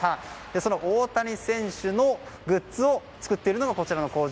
その大谷選手のグッズを作っているのがこちらの工場。